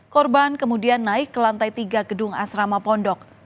korban kemudian naik ke lantai tiga gedung asrama pondok